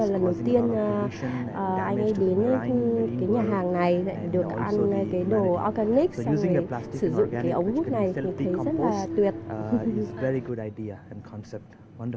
lần đầu tiên anh ấy đến nhà hàng này được ăn cái đồ organic sang về sử dụng cái ống hút này thì thấy rất là tuyệt